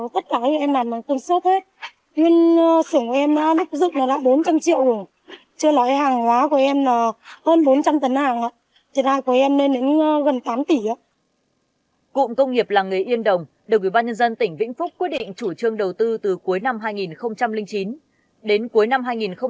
cụm công nghiệp là người yên đồng đồng ủy ban nhân dân tỉnh vĩnh phúc quyết định chủ trương đầu tư từ cuối năm hai nghìn chín đến cuối năm hai nghìn một mươi hai